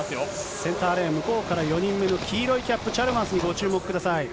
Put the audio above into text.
センターレーン、向こうから４人目の黄色いキャップ、チャルマースにご注目ください。